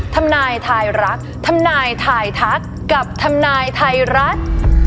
ธัมนายไทรัฐธัมนายไถ่ทักกับธัมนายไทรัฐ